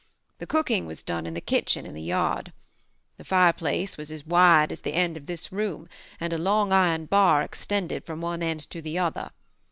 The cooking was done in the kitchen in the yard. The fireplace was as wide as the end of this room, and a long iron bar extended from one end to the other.